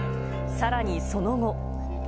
さらにその後。